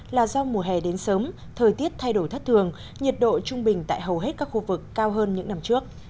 là do mùa hè đến sớm thời tiết thay đổi thất thường nhiệt độ trung bình tại hầu hết các khu vực cao hơn những năm trước